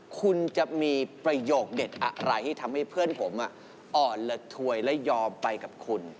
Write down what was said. คุณจะมีประโยคเด็ดอะไรที่ทำให้เพื่อนผมอ่อนละถวยและยอมไปกับคุณ